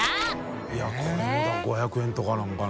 いこれもだから５００円とかなのかな？